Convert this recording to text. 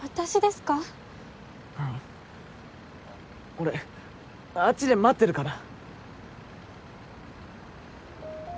俺あっちで待ってるから。